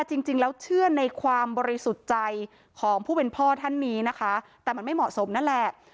จริงแล้วเชื่อในความบริสุทธิ์ใจของผู้เป็นพ่อท่านนี้นะคะแต่มันไม่เหมาะสมนั่นแหละ